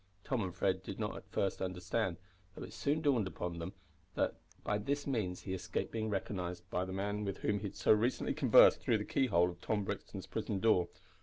Tom and Fred did not at first understand, though it soon dawned upon them that by this means he escaped being recognised by the man with whom he had so recently conversed through the keyhole of Tom Brixton's prison door.